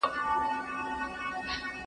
زه مينه څرګنده کړې ده؟!